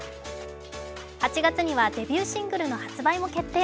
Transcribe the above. ８月にはデビューシングルの発売も決定。